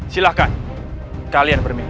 silahkan kalian berminat